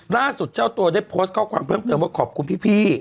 ล่าสุดเจ้าตัวได้โพสต์ข้อความเพิ่มเติมว่าขอบคุณพี่